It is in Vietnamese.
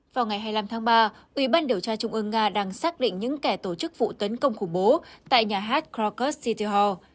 vào ngày hai mươi năm tháng ba ubnd trung ương nga đang xác định những kẻ tổ chức vụ tấn công khủng bố tại nhà hát krakow city hall